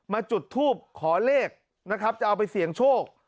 มาจุดทูบขอเลขจะเอาไปเสี่ยงโชค